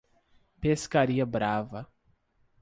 Pescaria Brava